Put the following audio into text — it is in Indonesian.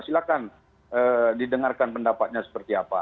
silahkan didengarkan pendapatnya seperti apa